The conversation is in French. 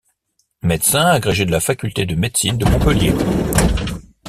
Médecin, agrégé de la faculté de médecine de Montpellier.